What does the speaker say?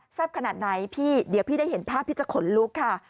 ขนาดไหนพี่เดี๋ยวพี่ได้เห็นภาพพี่จะขนลุกค่ะ